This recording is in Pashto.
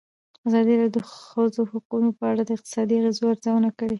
ازادي راډیو د د ښځو حقونه په اړه د اقتصادي اغېزو ارزونه کړې.